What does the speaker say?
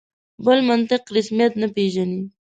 بل منطق رسمیت نه پېژني.